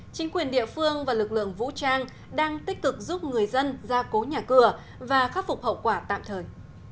chính quyền địa phương và lực lượng vũ trang đang tích cực giúp người dân ra cố nhà cửa và khắc phục hậu quả tạm thời